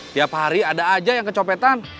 tiap hari ada aja yang kecopetan